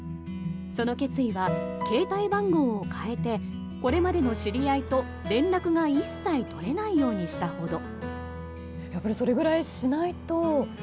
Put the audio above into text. その決意は、携帯番号を変えてこれまでの知り合いと、連絡が一切取れないようにしたほど。